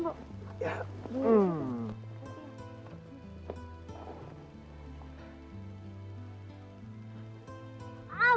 semoga kejelasan bu